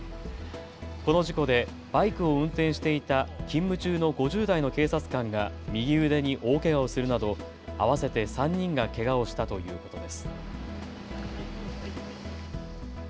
この事故でバイクを運転していた勤務中の５０代の警察官が右腕に大けがをするなど合わせて３人がけがをしたということです。